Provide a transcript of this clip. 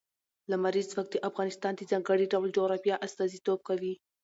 لمریز ځواک د افغانستان د ځانګړي ډول جغرافیه استازیتوب کوي.